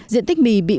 diện tích mì bị bệnh